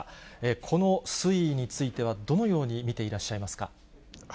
この推移についてはどのように見ていらっしゃいますか。